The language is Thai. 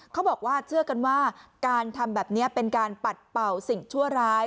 เขาบอกว่าเชื่อกันว่าการทำแบบนี้เป็นการปัดเป่าสิ่งชั่วร้าย